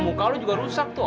muka lo juga rusak tuh